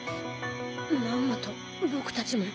まんまと僕たちも。